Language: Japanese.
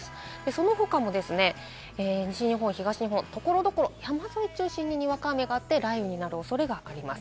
その他も西日本、東日本、所々山沿いを中心に、にわか雨があって雷雨になる恐れがあります。